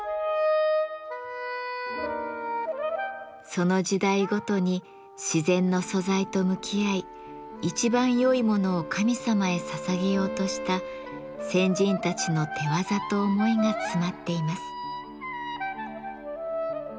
その時代ごとに自然の素材と向き合い一番よいものを神様へささげようとした先人たちの手業と思いが詰まっています。